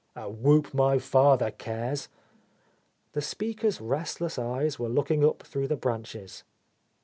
"A whoop my father cares 1" The speaker's restless eyes were looking up through the branches.